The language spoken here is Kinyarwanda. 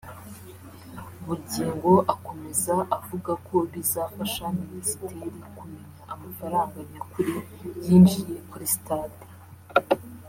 Bugingo akomeza avuga ko bizafasha Minisiteri kumenya amafaranga nyakuri yinjiye kuri stade